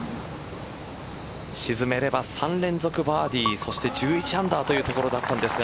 沈めれば３連続バーディーそして１１アンダーというところだったんですが。